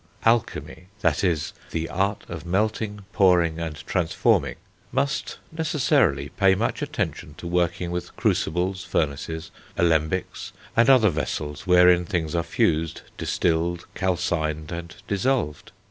Alchemy, that is, the art of melting, pouring, and transforming, must necessarily pay much attention to working with crucibles, furnaces, alembics, and other vessels wherein things are fused, distilled, calcined, and dissolved.